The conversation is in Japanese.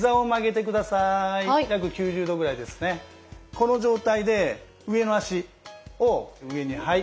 この状態で上の脚を上に。